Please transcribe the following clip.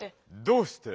「どうして？」